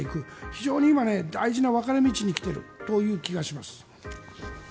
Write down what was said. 非常に今、大事な分かれ道に来ているという気がします。